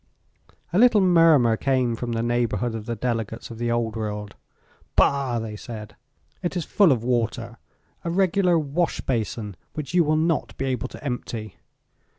A little murmur came from the neighborhood of the delegates of the Old World. "Bah!" they said. "It is full of water, a regular washbasin which you will not be able to empty."